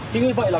chính vì vậy là